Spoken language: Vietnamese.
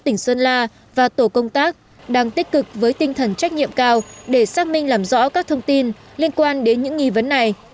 tỉnh sơn la và tổ công tác đang tích cực với tinh thần trách nhiệm cao để xác minh làm rõ các thông tin liên quan đến những nghi vấn này